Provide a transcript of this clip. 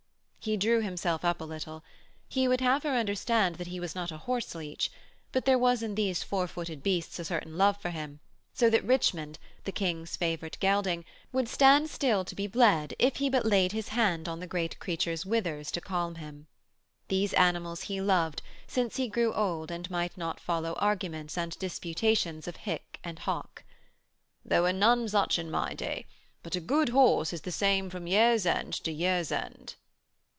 He drew himself up a little. He would have her understand that he was not a horse leech: but there was in these four footed beasts a certain love for him, so that Richmond, the King's favourite gelding, would stand still to be bled if he but laid his hand on the great creature's withers to calm him. These animals he loved, since he grew old and might not follow arguments and disputations of hic and hoc. 'There were none such in my day. But a good horse is the same from year's end to year's end....'